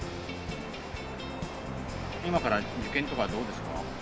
今から受験とかどうですか？